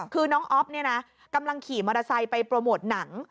คือน้องอ๊อฟเนี่ยนะกำลังขี่มอเตอร์ไซค์ไปโปรโมทหนัง